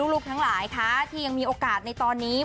ลูกทั้งหลายคะที่ยังมีโอกาสในตอนนี้